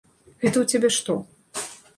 Гэта ў цябе што?